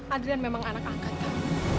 adrian memang anak angkatan